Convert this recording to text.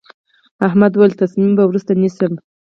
احمد وويل: تصمیم به وروسته نیسم.